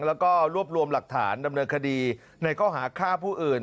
แล้วก็รวบรวมหลักฐานดำเนินคดีในข้อหาฆ่าผู้อื่น